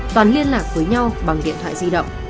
toàn liên lạc với nhau bằng điện thoại di động